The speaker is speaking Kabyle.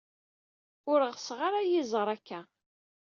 Ur ɣseɣ ara ad iyi-iẓer akka.